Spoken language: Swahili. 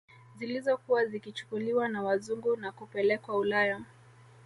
Zilizokuwa zikichukuliwa na wazungu na kupelekwa Ulaya